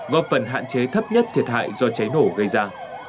góp phần hạn chế thấp nhất thiệt hại do cháy nổ gây ra